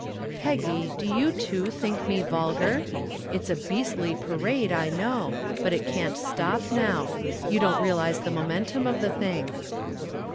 "Peggy, do you too think me vulgar? It's a beastly parade, I know, but it can't stop now. You don't realize the momentum of the thing."